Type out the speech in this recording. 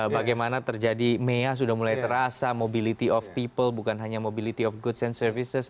bagaimana terjadi mea sudah mulai terasa mobility of people bukan hanya mobility of goods and services